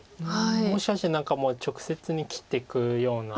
もしかして何かもう直接に切っていくような。